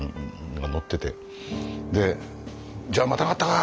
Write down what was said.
で「じゃあまたがったか？